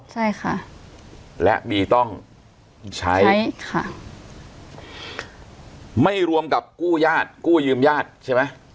ใช่ค่ะและบีต้องใช้ใช้ค่ะไม่รวมกับกู้ญาติกู้ยืมญาติใช่ไหม